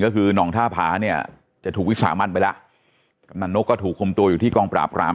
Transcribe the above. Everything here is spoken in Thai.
ก็คือหนองท่าผาเนี่ยจะถูกวิสามันไปแล้วกำนันนกก็ถูกคุมตัวอยู่ที่กองปราบราม